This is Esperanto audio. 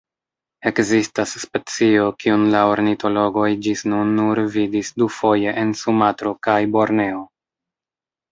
Ekzistas specio, kiun la ornitologoj ĝis nun nur vidis dufoje en Sumatro kaj Borneo.